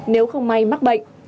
nếu không may mắc bệnh